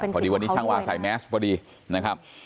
พอดีวันนี้ช่างวาใส่แมสพอดีนะครับ